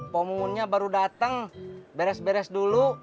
pemungunnya baru dateng beres beres dulu